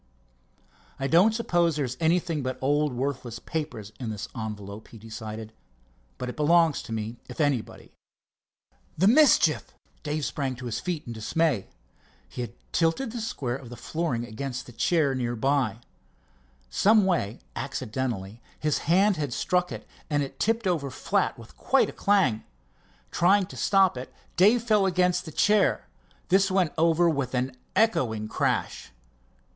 "I don't suppose there's anything but old worthless papers in this envelope," he decided, "but it belongs to me, if anybody. The mischief!" Dave sprang to his feet in dismay. He had tilted the square of flooring against the chair near by. Some way accidentally his hand had struck it, and it tipped over flat with quite a clang. Trying to stop it, Dave fell against the chair. This went over with an echoing crash.